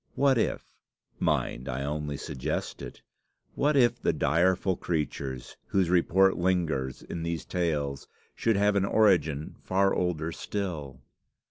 What if, mind, I only suggest it, what if the direful creatures, whose report lingers in these tales, should have an origin far older still?